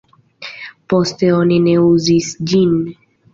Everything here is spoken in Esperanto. Poste oni ne uzis ĝin.